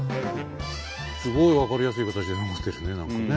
すごい分かりやすい形で残ってるね何かね。